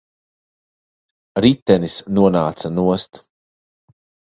Ritenis nonāca nost.